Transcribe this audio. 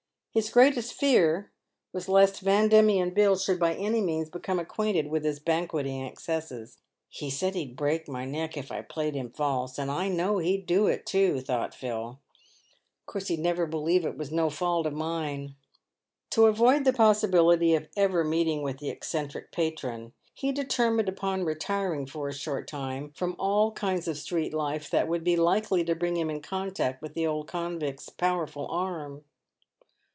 His greatest fear was lest Van Diemen Bill should by any means become acquainted with his banqueting ex cesses. " He said he'd break my neck if I played him false, and I know he'd do it too," thought Phil. " Of course he'd never believe it was no fault of mine !'* To avoid the possibility of ever meeting with the eccentric patron, he determined upon retiring for a short time from all kinds of street life that would be likely to bring him in contact with the old con vict's powerful arm.